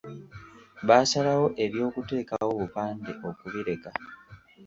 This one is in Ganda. Baasalawo eby’okuteekawo obupande okubireka.